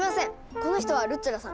この人はルッチョラさん。